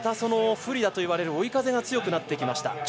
不利だといわれる追い風が強くなってきました。